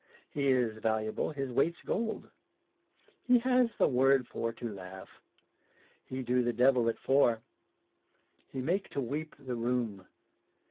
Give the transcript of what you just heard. He is valuable his weight's gold. He has the word for to laugh. He do the devil at four. He make to weep the room.